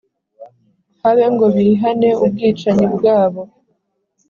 habe ngo bihane ubwicanyi bwabo